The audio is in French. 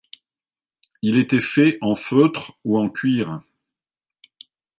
Il était fait en feutre ou en cuir.